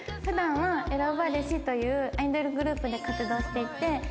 普段はエラバレシというアイドルグループで活動していて。